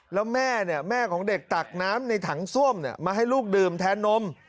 แล้วแม่เนี่ยแม่ของเด็กตักน้ำในถังซ่วมมาให้ลูกดื่มแทนนม